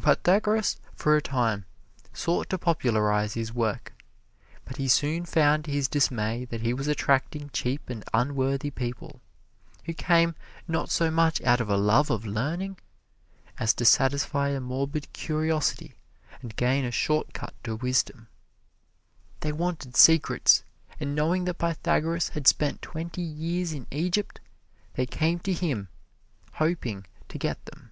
Pythagoras for a time sought to popularize his work, but he soon found to his dismay that he was attracting cheap and unworthy people, who came not so much out of a love of learning as to satisfy a morbid curiosity and gain a short cut to wisdom. They wanted secrets, and knowing that Pythagoras had spent twenty years in Egypt, they came to him, hoping to get them.